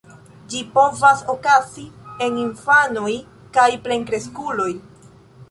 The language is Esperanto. Ĝi povas okazi en infanoj kaj plenkreskuloj.